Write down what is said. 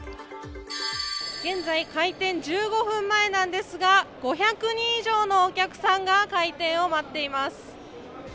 現在開店１５分前なんですが５００人以上のお客さんが開店を待っています